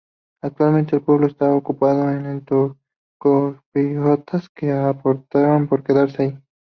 Actualmente el pueblo está ocupado por los turcochipriotas que optaron por quedarse allí.